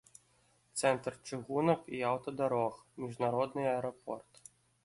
Цэнтр чыгунак і аўтадарог, міжнародны аэрапорт.